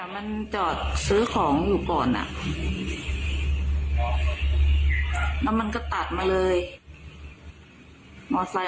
มันจอดซื้อของอยู่ก่อนน่ะแล้วมันก็ตัดมาเลยมอเซ้นมาแล้วไหน